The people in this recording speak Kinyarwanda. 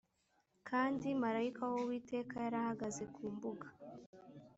Kandi marayika w Uwiteka yari ahagaze ku mbuga